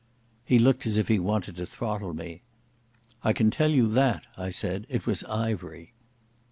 He looked as if he wanted to throttle me. "I can tell you that," I said. "It was Ivery."